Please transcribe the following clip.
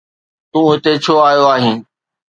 تون هتي ڇو آيو آهين؟